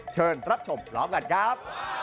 เชิญรับชมพร้อมกันครับ